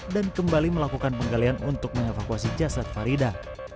dan kembali melakukan penggalian untuk mengevakuasi jasad farida